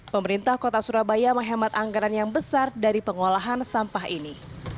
pemerintah kota surabaya menghemat anggaran yang besar dari pengolahan sampah ini